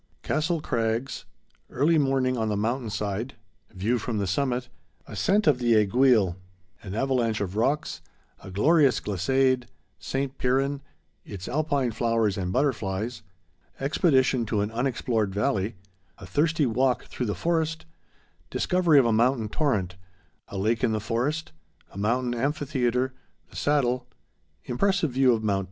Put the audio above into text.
_Castle Crags—Early Morning on the Mountain Side—View from the Summit—Ascent of the Aiguille—An Avalanche of Rocks—A Glorious Glissade—St. Piran—Its Alpine Flowers and Butterflies—Expedition to an Unexplored Valley—A Thirsty Walk through the Forest—Discovery of a Mountain Torrent—A Lake in the Forest—A Mountain Amphitheatre—The Saddle—Impressive View of Mt.